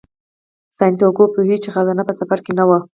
سانتیاګو پوهیږي چې خزانه په سفر کې نه وه.